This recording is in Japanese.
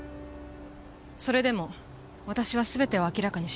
それでも私は全てを明らかにします。